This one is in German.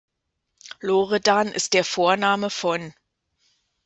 Loredan ist der Vorname von